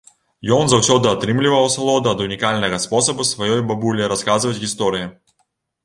Ён заўсёды атрымліваў асалоду ад унікальнага спосабу сваёй бабулі расказваць гісторыі.